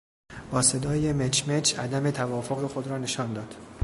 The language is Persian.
با صدای مچ مچ عدم توافق خود را نشان داد.